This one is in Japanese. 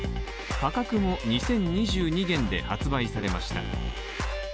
価格も２０２２元で発売されました。